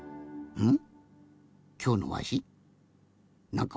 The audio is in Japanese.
うん。